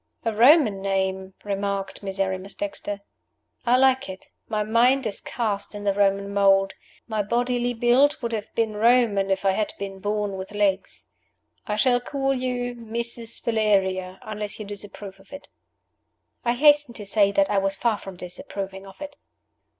"A Roman name," remarked Miserrimus Dexter. "I like it. My mind is cast in the Roman mold. My bodily build would have been Roman if I had been born with legs. I shall call you Mrs. Valeria, unless you disapprove of it." I hastened to say that I was far from disapproving of it.